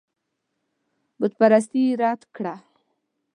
بتپرستي یې رد کړه.